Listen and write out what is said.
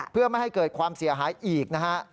เพื่อไม่ให้เกิดความเสียหายอีกนะฮะ